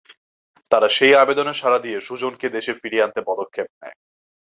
তারা সেই আবেদনে সাড়া দিয়ে সুজনকে দেশে ফিরিয়ে আনতে পদক্ষেপ নেয়।